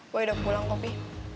boy udah pulang kok pi